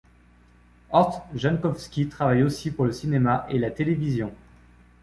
Horst Jankowski travaille aussi pour le cinéma et la télévision.